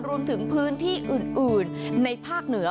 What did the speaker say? รวมถึงพื้นที่อื่นในภาคเหนือ